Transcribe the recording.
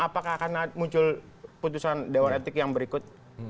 apakah akan muncul putusan dewan etik yang berikut